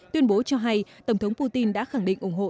tuyên bố cho hay tổng thống putin đã khẳng định ủng hộ